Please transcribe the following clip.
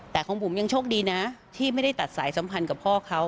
แต่ของบุ๋มยังโชคดีนะที่ไม่ได้ตัดสายสัมพันธ์กับพ่อเขา